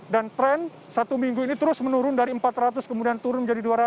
dan tren satu minggu ini terus menurun dari empat ratus kemudian turun menjadi dua ratus